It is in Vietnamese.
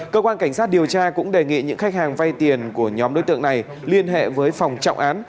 cơ quan cảnh sát điều tra cũng đề nghị những khách hàng vay tiền của nhóm đối tượng này liên hệ với phòng trọng án